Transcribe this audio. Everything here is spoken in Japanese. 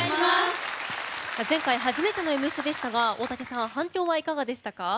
前回初めての「Ｍステ」でしたが大嵩さん反響はいかがでしたか？